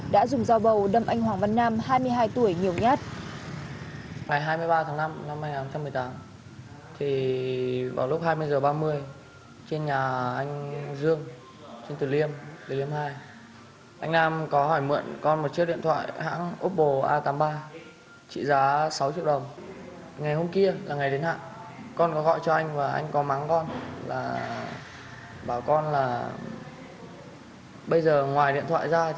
đã dùng dao bầu đâm anh hoàng văn nam hai mươi hai tuổi nhiều nhất